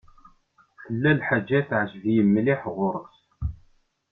Tella lḥaǧa tejbed-iyi mliḥ ɣur-s.